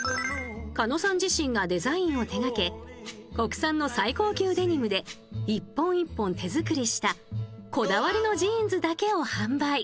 狩野さん自身がデザインを手がけ国産の最高級デニムで１本１本手作りしたこだわりのジーンズだけを販売。